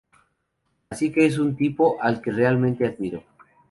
Así que es un tipo al que realmente admiro.